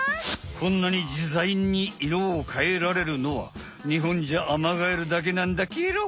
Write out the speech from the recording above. こんなにじざいに色をかえられるのはにほんじゃアマガエルだけなんだゲロ。